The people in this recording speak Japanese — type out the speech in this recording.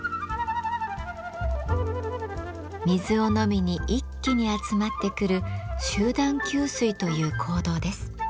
水を飲みに一気に集まってくる集団吸水という行動です。